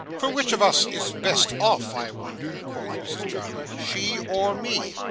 'For which of us is best off, I wonder,' quoth Mrs Jarley, 'she or me!